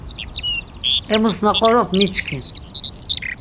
Emus na qorop miçkin.